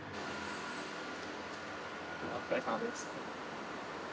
お疲れさまです。